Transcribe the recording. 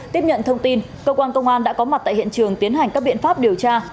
tiếp nhận thông tin cơ quan công an đã có mặt tại hiện trường tiến hành các biện pháp điều tra